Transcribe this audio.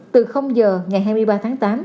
từ giờ ngày hai mươi ba tháng tám